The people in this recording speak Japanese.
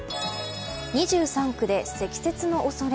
２３区で積雪の恐れ。